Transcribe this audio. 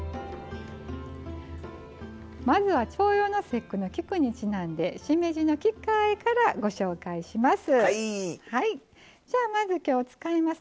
まずは、重陽の節句の菊にちなんでしめじの菊花あえからご紹介します。